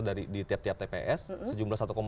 di tiap tiap tps sejumlah satu enam